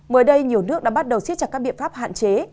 mới đây nhiều nước đã bắt đầu xích chặt các biện pháp hạn chế